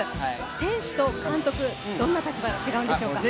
選手と監督、どんな立場が違うんでしょうか。